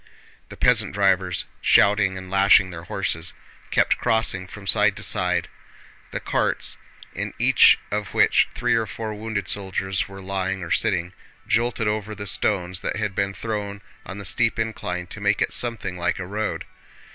The peasant drivers, shouting and lashing their horses, kept crossing from side to side. The carts, in each of which three or four wounded soldiers were lying or sitting, jolted over the stones that had been thrown on the steep incline to make it something like a road.